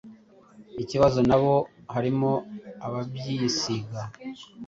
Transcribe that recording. ikibazo na bo harimo ababyisiga